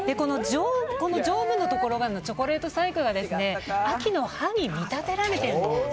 この上部のところのチョコレート細工が秋の葉に見立てられているんです。